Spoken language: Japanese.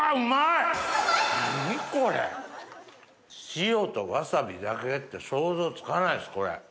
塩とわさびだけって想像つかないですこれ。